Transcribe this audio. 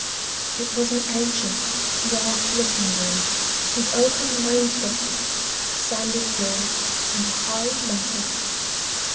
It was an ancient, dark looking room, with oaken wainscoting, a sanded floor, and a high mantelpiece.